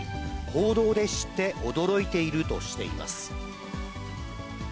報道で知って驚いているとしています。